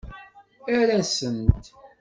Err-asent.